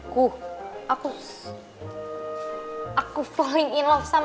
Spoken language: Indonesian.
kau bisa liat sam